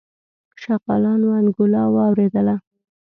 شغالانو انګولا واورېدله.